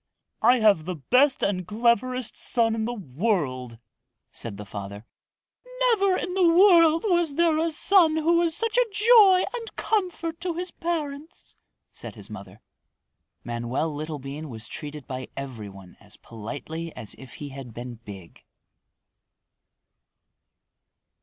"I have the best and cleverest son in the world," said the father. "Never in the world was there a son who was such a joy and comfort to his parents," said his mother. Manoel Littlebean was treated by every one as politely as if he had been big.